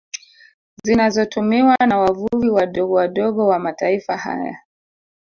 Zinazotumiwa na wavuvi wadogo wadogo wa mataifa haya